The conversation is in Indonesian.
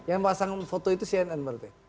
yang pasang foto itu cnn berarti